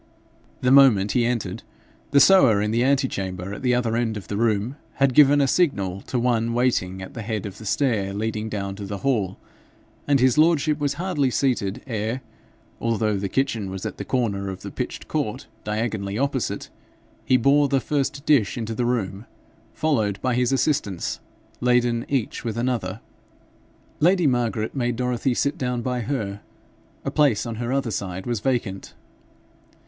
The moment he entered, the sewer in the antechamber at the other end of the room had given a signal to one waiting at the head of the stair leading down to the hall, and his lordship was hardly seated, ere although the kitchen was at the corner of the pitched court diagonally opposite he bore the first dish into the room, followed by his assistants, laden each with another. Lady Margaret made Dorothy sit down by her. A place on her other side was vacant.